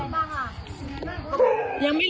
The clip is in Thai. บ้านอยู่ทางไหนคะ